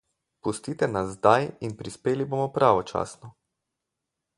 Pustite nas zdaj in prispeli bomo pravočasno.